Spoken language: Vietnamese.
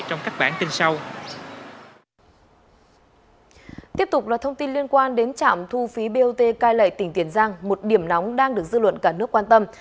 tiếp tục là thông tin liên quan đến trạm thu phí bot cai lệ tỉnh tiền giang một điểm nóng đang được dư luận cả nước quan tâm